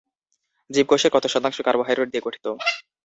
জীবকোষের কত শতাংশ কার্বোহাইড্রেট দিয়ে গঠিত?